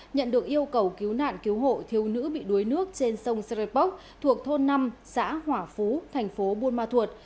nhận được yêu cầu cứu nạn cứu hộ thiếu nữ bị đuối nước trên sông serepok thuộc thôn năm xã hỏa phú thành phố buôn ma thuột